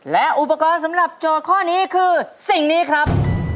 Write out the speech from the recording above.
และอุปกรณ์สำหรับโจทย์ข้อนี้คือสิ่งนี้ครับ